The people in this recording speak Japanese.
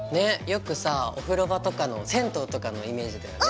よくさお風呂場とかの銭湯とかのイメージだよね。